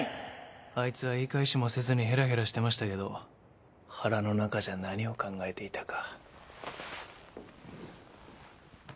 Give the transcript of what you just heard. あいつは言い返しもせずにヘラヘラしてましたけど腹の中じゃ何を考えていたか。